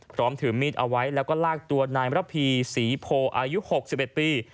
พร้อมถือมีดเอาไว้แล้วก็ลากตัวนายมรพีศรีโพอายุ๖๑ปี